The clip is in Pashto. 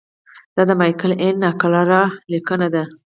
دا د مایکل این ناګلر لیکنه ده.